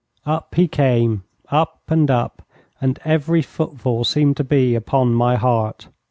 Up he came, up and up, and every footfall seemed to be upon my heart.